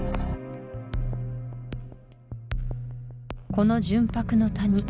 この純白の谷